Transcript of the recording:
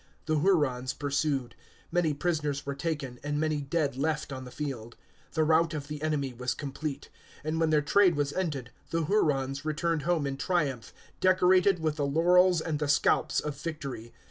The Hurons pursued. Many prisoners were taken, and many dead left on the field. The rout of the enemy was complete; and when their trade was ended, the Hurons returned home in triumph, decorated with the laurels and the scalps of victory.